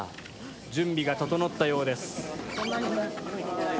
準備が整ったようです。